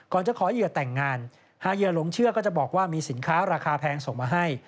จะขอเหยื่อแต่งงานหากเหยื่อหลงเชื่อก็จะบอกว่ามีสินค้าราคาแพงส่งมาให้